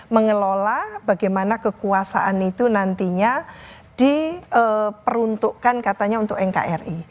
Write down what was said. mengelola bagaimana kekuasaan itu nantinya diperuntukkan katanya untuk nkri